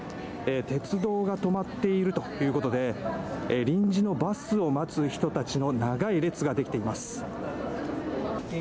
鉄道が止まっているということで、臨時のバスを待つ人たちの長い列が出来ています。